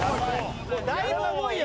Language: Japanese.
だいぶ重いよ。